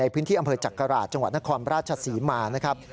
พื้นที่อำเภอจักราชจังหวัดนครราชศรีมานะครับ